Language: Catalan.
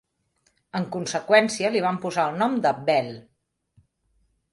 En conseqüència, li van posar el nom de Belle.